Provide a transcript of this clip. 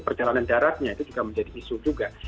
perjalanan daratnya itu juga menjadi isu juga